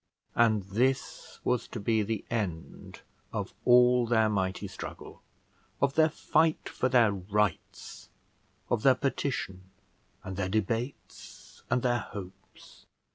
And this was to be the end of all their mighty struggle, of their fight for their rights, of their petition, and their debates, and their hopes!